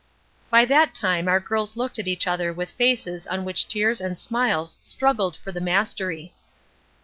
By that time our girls looked at each other with faces on which tears and smiles struggled for the mastery.